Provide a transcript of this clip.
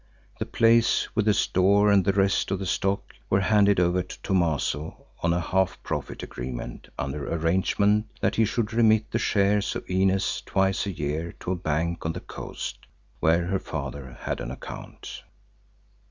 The place with the store and the rest of the stock were handed over to Thomaso on a half profit agreement under arrangement that he should remit the share of Inez twice a year to a bank on the coast, where her father had an account.